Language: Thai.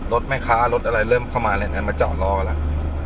รถไม่ค้ารถอะไรเริ่มเข้ามาเลยมาจอดรอครับ